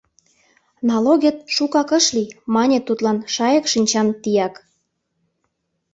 — Налогет шукак ыш лий, — мане тудлан шайык шинчан тияк.